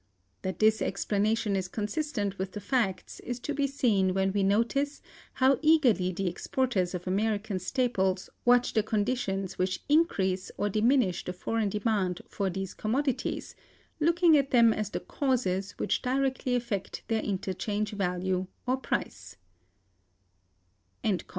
That this explanation is consistent with the facts is to be seen when we notice how eagerly the exporters of American staples watch the conditions which increase or diminish the foreign demand for these commodities, looking at them as the causes which directly affect their exchange value, or price.